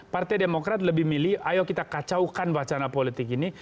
partai demokrat lebih milih ayo kita kacaukan wacana politik ini